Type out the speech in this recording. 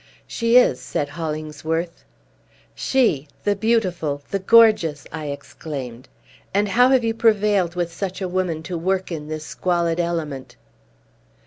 "She is," said Hollingsworth. "She! the beautiful! the gorgeous!" I exclaimed. "And how have you prevailed with such a woman to work in this squalid element?"